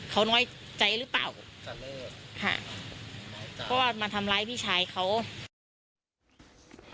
เขาน้อยใจหรือเปล่าค่ะก็มาทำร้ายพี่ชายเขา